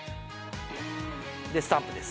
でスタンプです。